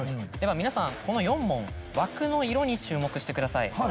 では皆さんこの４問枠の色に注目してください。